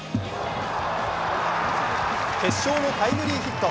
決勝のタイムリーヒット。